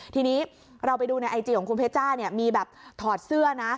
ทีนี้เราไปดูในไอจีของคุณเพชจ้าเนี่ยมีแบบถอดเสื้อนะ